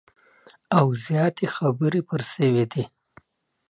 او زیاتي خبري پر سوي دي